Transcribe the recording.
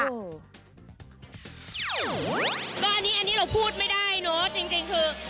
อันนี้เราพูดไม่ได้เนอะจริงคือ